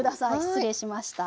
失礼しました。